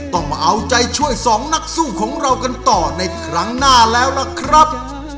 ต้องมาเอาใจช่วยสองนักสู้ของเรากันต่อในครั้งหน้าแล้วล่ะครับ